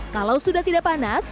kalau sudah tidak panas